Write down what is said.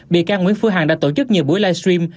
bị can nguyễn phương hằng đã tổ chức nhiều buổi live stream